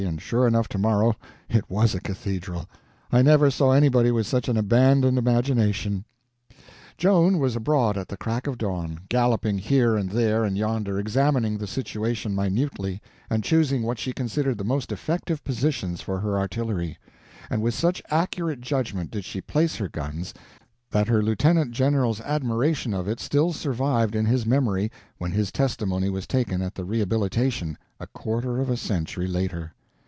And, sure enough, to morrow it was a cathedral. I never saw anybody with such an abandoned imagination. Joan was abroad at the crack of dawn, galloping here and there and yonder, examining the situation minutely, and choosing what she considered the most effective positions for her artillery; and with such accurate judgment did she place her guns that her Lieutenant General's admiration of it still survived in his memory when his testimony was taken at the Rehabilitation, a quarter of a century later.